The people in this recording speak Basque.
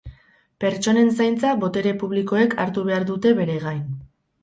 Pertsonen zaintza botere publikoek hartu behar dute bere gain.